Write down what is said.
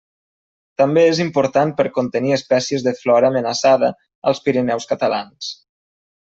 També és important per contenir espècies de flora amenaçada als Pirineus catalans.